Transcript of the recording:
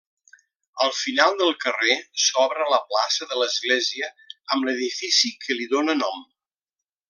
Al final del carrer s'obre la plaça de l'Església amb l'edifici que li dóna nom.